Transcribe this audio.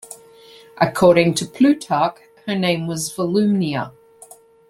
According to Plutarch her name was Volumnia.